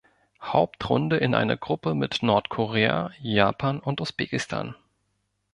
Hauptrunde in einer Gruppe mit Nordkorea, Japan und Usbekistan.